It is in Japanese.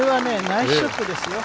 ナイスショットですよ。